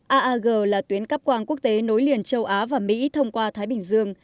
aag là tuyến cắp quang quốc tế nối liền châu á và mỹ thông qua thái bình dương